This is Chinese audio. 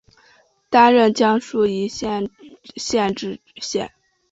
担任江苏宜兴县知县。